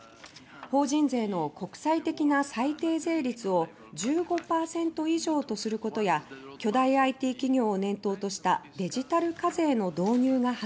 法人税の国際的な最低税率を「１５％以上」とすることや巨大ＩＴ企業を念頭とした「デジタル課税」の導入が柱です。